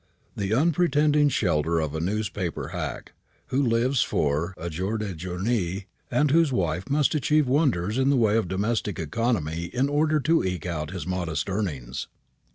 The unpretending shelter of a newspaper hack, who lives à jour la journée, and whose wife must achieve wonders in the way of domestic economy in order to eke out his modest earnings.